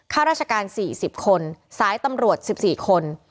ข้าราชการ๔๐คนสายตำรวจ๑๔คน